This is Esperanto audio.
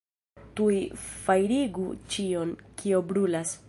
Tuj fajrigu ĉion, kio brulas!